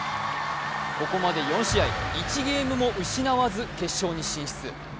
ここまで４試合、１ゲームも失わず決勝に進出。